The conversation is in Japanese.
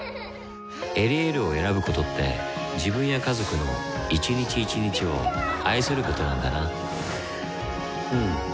「エリエール」を選ぶことって自分や家族の一日一日を愛することなんだなうん。